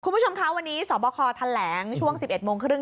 คุณผู้ชมคะวันนี้สบคแถลงช่วง๑๑โมงครึ่ง